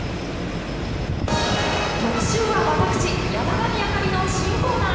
特集は私、山神明理の新コーナー。